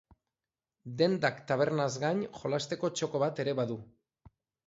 Dendak tabernaz gain, jolasteko txoko bat ere badu.